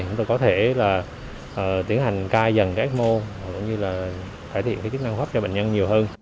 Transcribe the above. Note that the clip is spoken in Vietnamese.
chúng tôi có thể là tiến hành ca dần các mô cũng như là cải thiện cái chức năng hấp cho bệnh nhân nhiều hơn